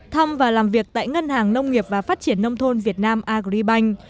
thăm và làm việc tại ngân hàng nông nghiệp và phát triển nông thôn việt nam agribank